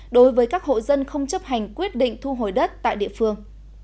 đối với các hộ dân không chấp hành quyết định thu hồi đất tại địa phương